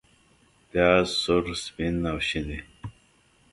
پیاز سور، سپین او شین وي